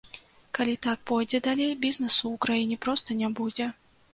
Калі так пойдзе далей, бізнесу ў краіне проста не будзе.